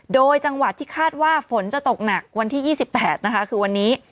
โดยจังหวัดที่คาดว่าฝนจะตกหนักวันที่๒๘นะคะคือวันนี้